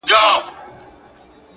اشنا سا تنګے دے نو څۀ وکړمه